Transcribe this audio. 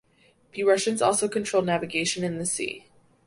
The Russians also controlled navigation in the sea.